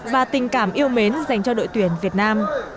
và tình cảm yêu mến dành cho đội tuyển việt nam